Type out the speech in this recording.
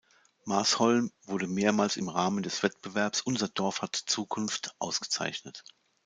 Maasholm wurde mehrmals im Rahmen des Wettbewerbs Unser Dorf hat Zukunft ausgezeichnet.